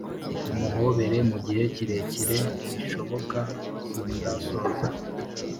umuhobere mu gihe kirekire gishoboka sindasoza,